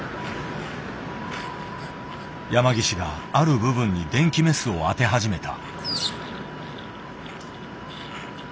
山岸がある部分に電気メスを当て始めた。